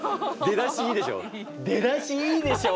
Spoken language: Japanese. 出だしいいでしょう？